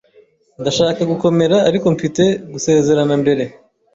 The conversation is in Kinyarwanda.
Ndashaka gukomera, ariko mfite gusezerana mbere.